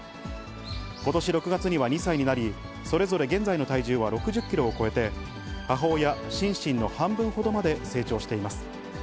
ことし６月には２歳になり、それぞれ現在の体重は６０キロを超えて、母親、シンシンの半分ほどまで成長しています。